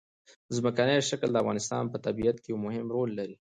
ځمکنی شکل د افغانستان په طبیعت کې یو مهم رول لري.